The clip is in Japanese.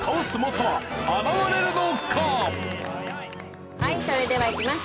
それではいきます。